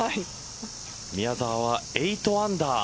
宮澤は８アンダー。